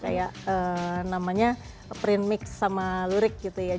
kayak namanya print mix sama lurik gitu ya